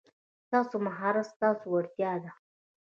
ستاسو مهارت ستاسو وړتیا ده.